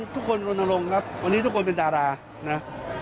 ทุกคนรณรงค์ครับวันนี้ทุกคนเป็นดารานะ